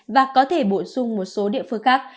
và có thể bổ sung một số địa phương khác